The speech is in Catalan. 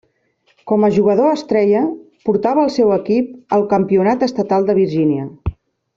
Com a jugador estrella, portava el seu equip al Campionat Estatal de Virgínia.